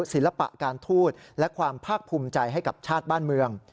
ศิลปะการทูตและความภาคภูมิใจให้กับชาติบ้านเมือง